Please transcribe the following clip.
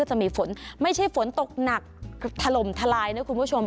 จะมีฝนไม่ใช่ฝนตกหนักถล่มทลายนะคุณผู้ชม